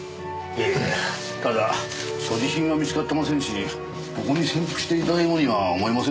ええただ所持品は見つかってませんしここに潜伏していたようには思えませんが。